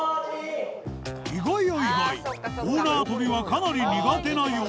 意外や意外大縄跳びはかなり苦手なよう